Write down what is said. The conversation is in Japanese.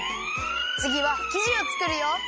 つぎはきじをつくるよ！